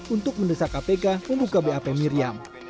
untuk mendesak kpk membuka bap miriam